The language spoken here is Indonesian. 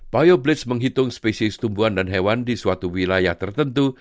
bioblis menghitung spesies tumbuhan dan hewan di suatu wilayah tertentu